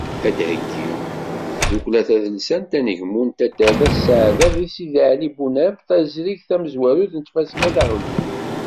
Ad d-theyyi tdukkla tadelsant “Anegmu” n taddart At Sɛada deg Sidi Ɛli Bunab taẓrigt tamezwarut n tfaska taɣelnawt.